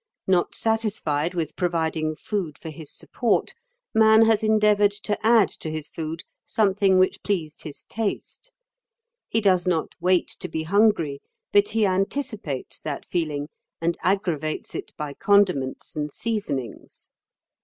Not satisfied with providing food for his support, man has endeavoured to add to his food something which pleased his taste. He does not wait to be hungry, but he anticipates that feeling, and aggravates it by condiments and seasonings.